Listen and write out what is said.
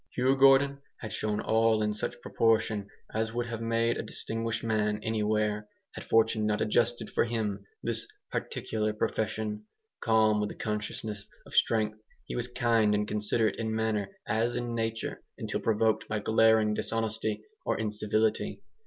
Hugh Gordon had shown all in such proportion as would have made a distinguished man anywhere, had fortune not adjusted for him this particular profession. Calm with the consciousness of strength, he was kind and considerate in manner as in nature, until provoked by glaring dishonesty or incivility.